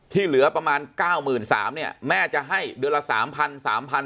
ที่เหลือประมาณเก้าหมื่นสามเนี่ยแม่จะให้เดือนละสามพันสามพัน